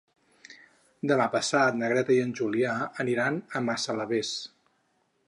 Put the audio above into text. Demà passat na Greta i en Julià aniran a Massalavés.